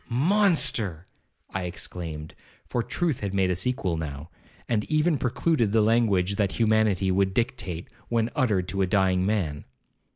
'Monster!' I exclaimed, for truth had made us equal now, and even precluded the language that humanity would dictate when uttered to a dying man.